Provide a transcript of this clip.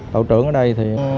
tổ trưởng ở đây